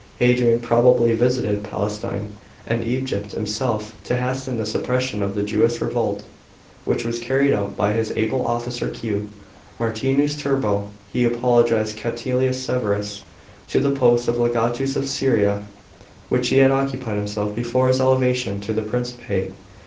Hadrian probably visited Palestine and Egypt himself, to hasten the suppression of the Jewish revolf, which was carried out by his able officer Q. Marcins Turbo. He ap[>ointed Catilius Severus to the post of legatus of Syria, which he had occupied himself before his elevation <o the Principate.